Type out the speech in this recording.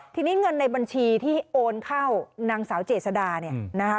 ทีนี้เงินในบัญชีที่โอนเข้านางสาวเจษดาเนี่ยนะคะ